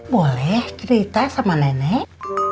boleh cerita sama nenek